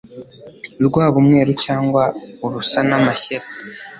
rwaba umweru cyangwa urusa n'amashyira